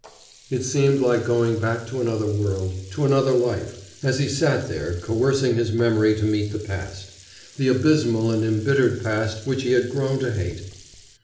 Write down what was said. It seemed like going back to another world, to another life, as he sat there coercing his memory to meet the past, the abysmal and embittered past which he had grown to hate.